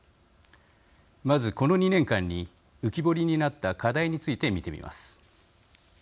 まず、この２年間に浮き彫りになった課題について見てみます。